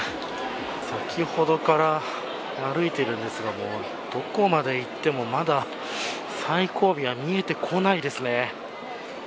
先ほどから歩いてるんですがどこまでいってもまだ最後尾が見えてこないですね。